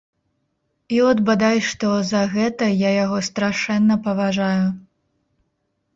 І от, бадай што, за гэта я яго страшэнна паважаю.